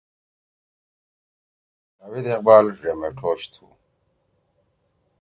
جاوید اقبال ڙیمیٹھوش تُھو۔